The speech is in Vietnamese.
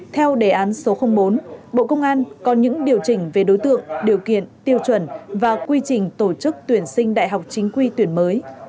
theo đề án số bốn bộ công an có những điều chỉnh về đối tượng điều kiện tiêu chuẩn và quy trình tổ chức tuyển sinh đại học chính quy tuyển mới